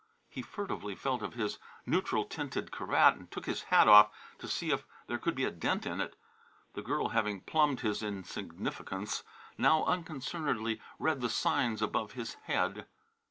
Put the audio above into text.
He furtively felt of his neutral tinted cravat and took his hat off to see if there could be a dent in it. The girl, having plumbed his insignificance, now unconcernedly read the signs above his head.